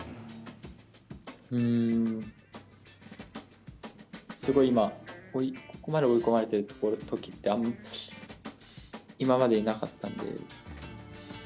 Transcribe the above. うーん、すごい今、ここまで追い込まれてるときって、あんまり、今までになかったんで。